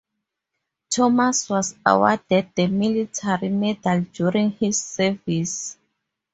Thomas was awarded the Military Medal during his service.